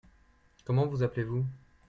Comment vous appelez-vous ?